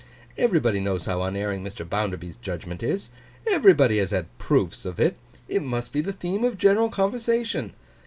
Everybody knows how unerring Mr. Bounderby's judgment is. Everybody has had proofs of it. It must be the theme of general conversation.